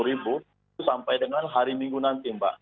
itu sampai dengan hari minggu nanti mbak